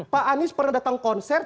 pak anies pernah datang konser